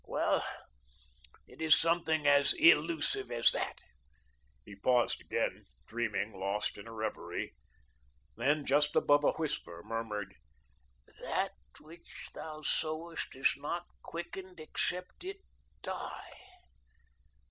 Well, it is something as illusive as that." He paused again, dreaming, lost in a reverie, then, just above a whisper, murmured: "'That which thou sowest is not quickened except it die